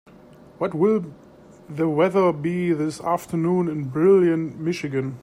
What will the weather be this Afternoon in Brilliant Michigan?